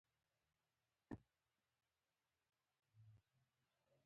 تنور د وطن له خاورو جوړ شوی ویاړ دی